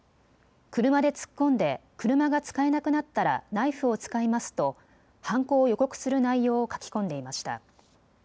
車で突っ込んで車が使えなくなったらナイフを使いますと犯行を予告する内容を書き込んでいました。